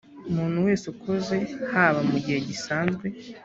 umuntu wese ukoze haba mu gihe gisanzwe